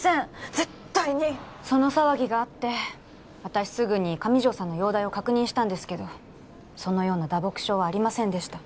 絶対にその騒ぎがあって私すぐに上条さんの容体を確認したんですけどそのような打撲傷はありませんでした